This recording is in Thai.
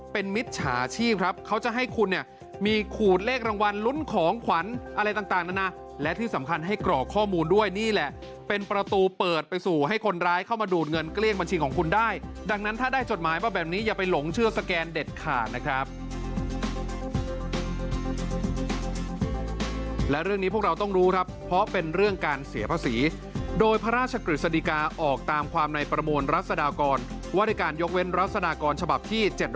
พี่พี่ครับเขาจะให้คุณเนี่ยมีขูดเลขรางวัลลุ้นของขวัญอะไรต่างนั้นนะและที่สำคัญให้กรอกข้อมูลด้วยนี่แหละเป็นประตูเปิดไปสู่ให้คนร้ายเข้ามาดูดเงินเกลี้ยงบัญชีของคุณได้ดังนั้นถ้าได้จดหมายแบบนี้อย่าไปหลงเชื่อสแกนเด็ดขาดนะครับและเรื่องนี้พวกเราต้องรู้ครับเพราะเป็นเรื่องการเสียภาษีโดยพระราชก